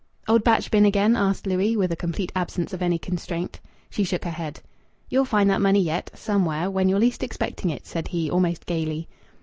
"Old Batch been again?" asked Louis, with a complete absence of any constraint. She shook her head. "You'll find that money yet somewhere, when you're least expecting it," said he, almost gaily.